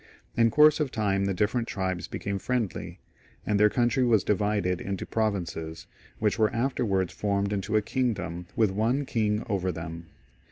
In course of time the different tribes became friendly, and their country was divided into provinces, which were after wards formed into a kingdom with one king over them.